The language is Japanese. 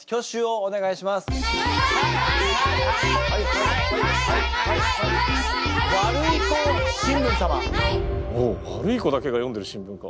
おお悪い子だけが読んでる新聞か。